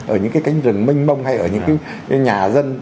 ở những cái cánh rừng mênh mông hay ở những cái nhà dân